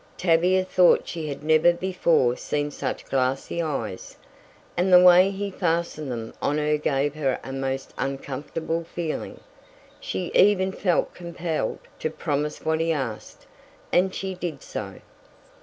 Tavia thought she had never before seen such glassy eyes, and the way he fastened them on her gave her a most uncomfortable feeling. She even felt compelled to promise what he asked, and she did so.